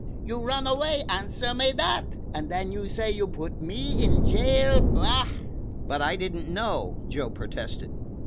You run away answer me dat! And den you say you put me in jail? Bah!" "But I did n't know," Joe protested.